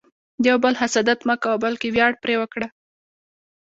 د یو بل حسادت مه کوه، بلکې ویاړ پرې وکړه.